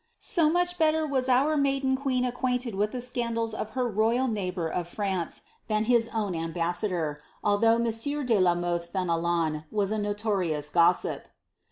"' So much belter was our maiilen ijueen Si scandals of her royal neighbour of France than his own ambassador, although monsieur de la Mothe Fenelon was a notorious gossip.